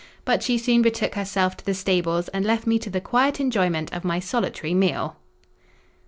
But she soon betook herself to the stables, and left me to the quiet enjoyment of my solitary meal.